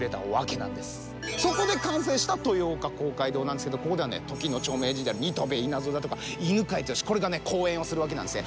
そこで完成した豊岡公会堂なんですけどここでは時の著名人である新渡戸稲造だとか犬養毅これがね講演をするわけなんですね。